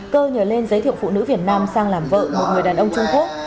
cơ nhờ lên giới thiệu phụ nữ việt nam sang làm vợ một người đàn ông trung quốc